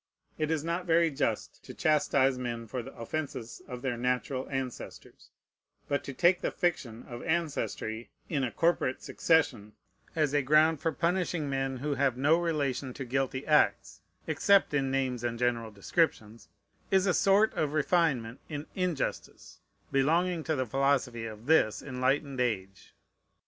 It is not very just to chastise men for the offences of their natural ancestors; but to take the fiction of ancestry in a corporate succession, as a ground for punishing men who have no relation to guilty acts, except in names and general descriptions, is a sort of refinement in injustice belonging to the philosophy of this enlightened age.